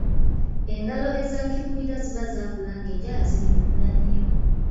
Engalo eza kibulira ziba zaakula ng’enjala ziri munda nnyo.